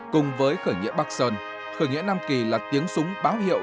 cùng với khởi nghĩa bắc sơn khởi nghĩa nam kỳ là tiếng súng báo hiệu